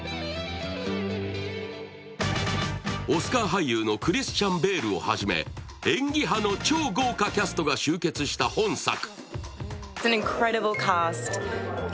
オスカー俳優のクリスチャン・ベールをはじめ、演技派の超豪華キャストが集結した本作。